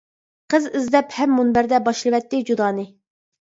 قىز ئىزدەپ ھەم مۇنبەردە باشلىۋەتتى جۇدانى.